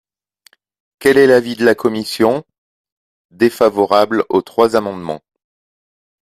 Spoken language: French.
Quel est l’avis de la commission ? Défavorable aux trois amendements.